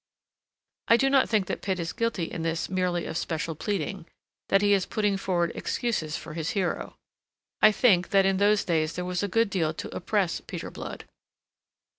I do not think that Pitt is guilty in this merely of special pleading, that he is putting forward excuses for his hero. I think that in those days there was a good deal to oppress Peter Blood.